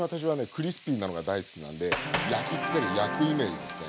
クリスピーなのが大好きなんで焼きつける焼くイメージですね。